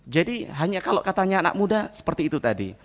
jadi hanya kalau katanya anak muda seperti itu tadi